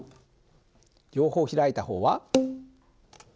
両方開いた方は。